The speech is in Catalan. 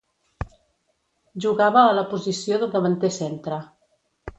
Jugava a la posició de davanter centre.